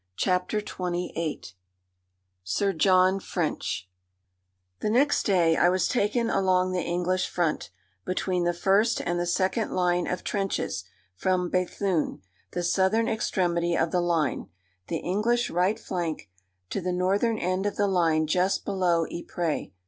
CHAPTER XXVIII SIR JOHN FRENCH The next day I was taken along the English front, between the first and the second line of trenches, from Béthune, the southern extremity of the line, the English right flank, to the northern end of the line just below Ypres.